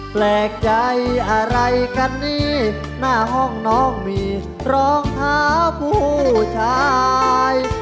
แปลกใจอะไรกันนี่หน้าห้องน้องมีรองเท้าผู้ชาย